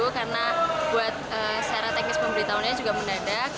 karena buat secara teknis pemberitahunya juga mendadak